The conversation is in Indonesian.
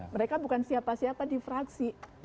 mereka bukan siapa siapa di fraksi